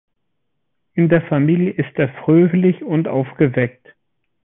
In der Familie ist er fröhlich und aufgeweckt.